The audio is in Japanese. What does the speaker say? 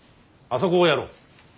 あそこをやろう。